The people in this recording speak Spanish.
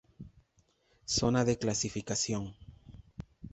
Zona de clasificación.